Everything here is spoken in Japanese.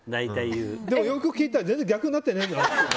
でもよく聞いたら全然、逆になってないじゃんって。